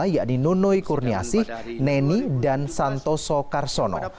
yakni nunoi kurniasi neni dan santoso karsono